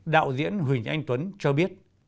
đạo diễn huỳnh anh tuấn cho biết